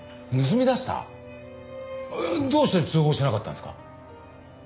どうして通報しなかったんですか？